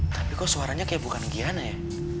tapi kok suaranya kayak bukan giana ya